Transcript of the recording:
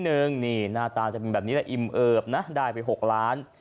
นี่หน้าตาจะเป็นแบบนี้แหละอิ่มเอิบนะได้ไป๖ล้าน